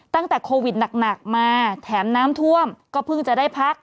ตั้งแต่โควิดหนักมาแถมน้ำท่วมก็เพิ่งจะได้พัก